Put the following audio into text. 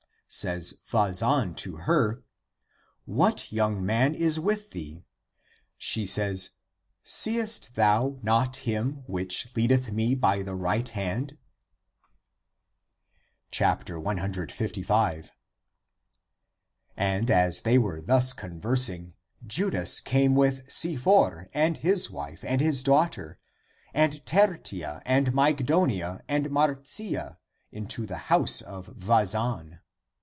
Says Vazan to her, " What young man is with thee? " She says, " Seest thou not him which leadeth me by the right hand? " 155. And as they were thus conversing, Judas came with Si for and his wife and his daughter and Tertia and Mygdonia and Marcia into the house of Vazan.